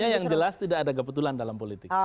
ya yang jelas tidak ada kebetulan dalam politik